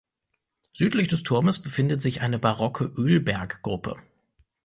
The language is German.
Südlich des Turmes befindet sich eine barocke Ölberggruppe.